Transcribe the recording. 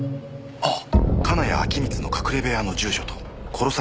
あっ。